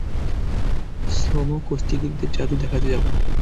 সোমো কুস্তিগিরদের যাদু দেখাতে যাব।